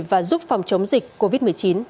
và giúp phòng chống dịch covid một mươi chín